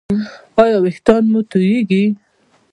ایا ویښتان مو توییږي؟